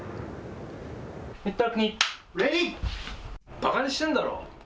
ばかにしてんだろ。